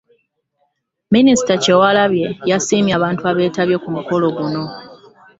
Minisita Kyewalabye yasiimye abantu abeetabye ku mukolo guno